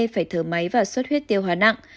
phải thở máy và suất huyết tiêu hóa nặng